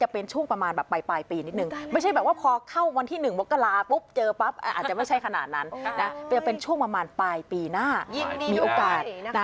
เป็นช่วงปลายปีหน้ามีโอกาส